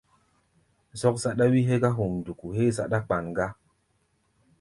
Zɔ́k záɗá wí hégá hamduku héé záɗá-kpan gá.